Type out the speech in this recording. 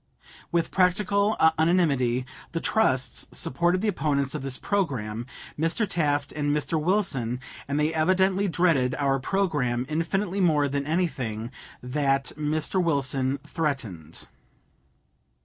With practical unanimity the trusts supported the opponents of this programme, Mr. Taft and Mr. Wilson, and they evidently dreaded our programme infinitely more than anything that Mr. Wilson threatened.